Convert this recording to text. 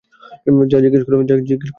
যা জিজ্ঞেস করার ওকে কর।